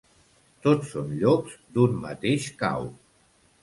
Tots són llops d'un mateix cau.